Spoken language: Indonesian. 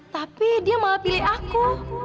tapi dia malah pilih aku